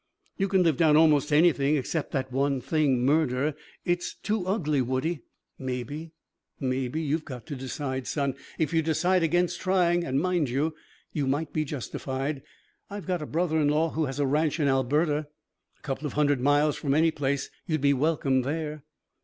"You can live down almost anything, except that one thing murder. It's too ugly, Woodie." "Maybe. Maybe. You've got to decide, son. If you decide against trying and, mind you, you might be justified I've got a brother in law who has a ranch in Alberta. A couple of hundred miles from any place. You'd be welcome there."